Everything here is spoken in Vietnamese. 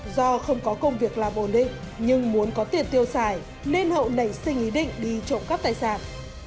do không có công việc làm ổn định nhưng muốn có tiền tiêu xài nên hậu nảy sinh ý định đi trộm cắp tài sản